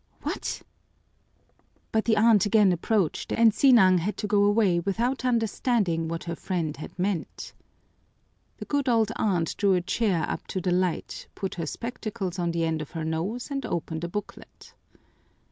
"What?" But the aunt again approached, and Sinang had to go away without understanding what her friend had meant. The good old aunt drew a chair up to the light, put her spectacles on the end of her nose, and opened a booklet.